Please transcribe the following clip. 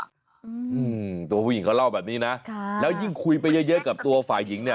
อืมตัวผู้หญิงเขาเล่าแบบนี้นะใช่แล้วยิ่งคุยไปเยอะเยอะกับตัวฝ่ายหญิงเนี่ย